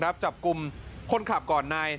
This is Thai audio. รับจับกลุ่มคนขับก่อนใน